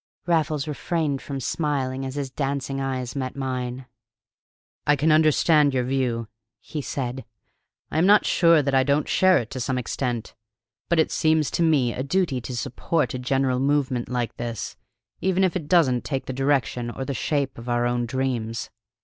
Raffles refrained from smiling as his dancing eye met mine. "I can understand your view," he said. "I am not sure that I don't share it to some extent. But it seems to me a duty to support a general movement like this even if it doesn't take the direction or the shape of our own dreams.